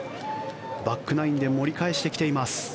バックナインで盛り返してきています。